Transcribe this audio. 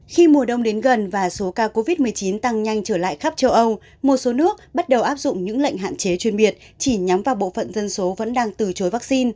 khi mùa đông đến gần và số ca covid một mươi chín tăng nhanh trở lại khắp châu âu một số nước bắt đầu áp dụng những lệnh hạn chế chuyên biệt chỉ nhắm vào bộ phận dân số vẫn đang từ chối vaccine